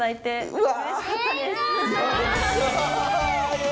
うわ。